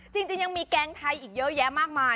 จริงยังมีแกงไทยอีกเยอะแยะมากมาย